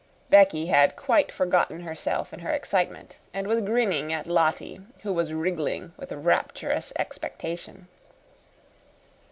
Becky had quite forgotten herself in her excitement, and was grinning at Lottie, who was wriggling with rapturous expectation.